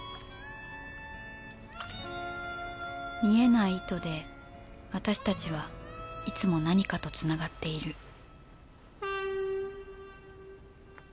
見えない糸で私たちはいつも何かとつながっている